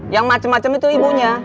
yang macem macem itu ibunya